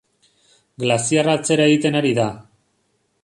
Glaziarra atzera egiten ari da.